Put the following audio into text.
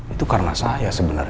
itu karena saya sebenarnya